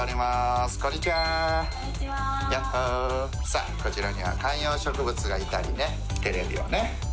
さあこちらには観葉植物がいたりねテレビをね